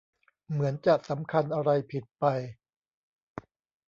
เหมือนจะสำคัญอะไรผิดไป